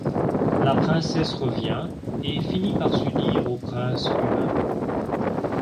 La princesse revient et finit par s'unir au prince humain.